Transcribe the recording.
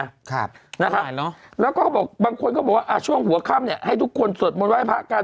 นะครับแล้วก็บอกบางคนก็บอกว่าช่วงหัวค่ำให้ทุกคนสดบนวายพระกัน